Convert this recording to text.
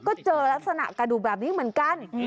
ก็เจอลักษณะกระดูกแบบนี้เหมือนกัน